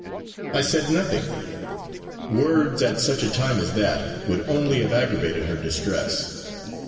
I said nothing; words, at such a ti me as that, would only have aggravated her distress.